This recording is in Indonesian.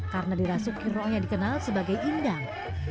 karena dirasukin roh yang dikenal sebagai indang